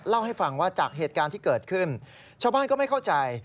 เล่าให้ฟังว่าจากเหตุการณ์ที่เกิดขึ้นชาวบ้านก็ไม่เข้าใจ